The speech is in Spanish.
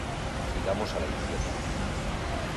giramos a la izquierda.